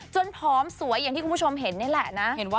ผอมสวยอย่างที่คุณผู้ชมเห็นนี่แหละนะ